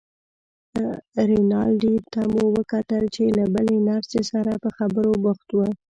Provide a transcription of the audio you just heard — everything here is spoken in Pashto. رینالډي ته مو وکتل چې له بلې نرسې سره په خبرو بوخت و.